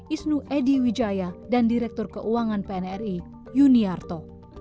isnu edy wijaya dan direktur keuangan pnri yuniarto